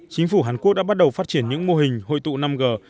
chính phủ hàn quốc đã bắt đầu phát triển những mô hình hội tụ năm g